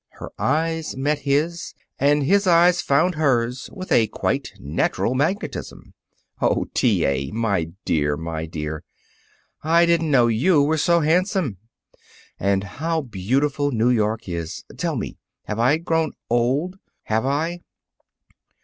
Her eyes met his, and his eyes found hers with a quite natural magnetism. "Oh, T. A., my dear, my dear! I didn't know you were so handsome! And how beautiful New York is! Tell me: Have I grown old? Have I?"